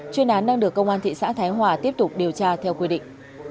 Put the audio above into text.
chuyên án đang được công an thị xã thái hòa tiếp tục điều tra theo quy định